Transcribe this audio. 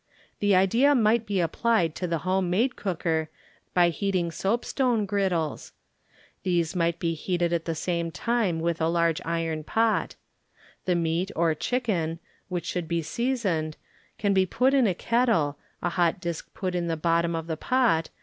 The idea might be applied to the home made cooker by heaiii^ soap stone eriddles. These might be heated at the large iron pot. The meat or chicken, which should be sea soned, can be put in a kettle, a hot disk put in the bottom of the pot.